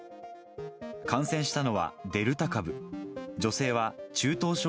感染したのはデルタ株。